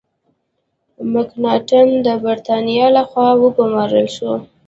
مکناټن د برتانیا له خوا وګمارل شو.